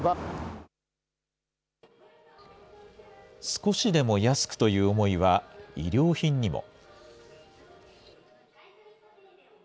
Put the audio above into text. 少しでも安くという思いは、衣料品にも。